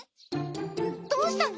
どうしたの？